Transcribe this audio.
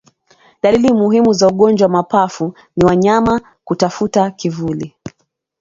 Dalili muhimu za ugonjwa wa mapafu ni wanyama kutafuta kivuli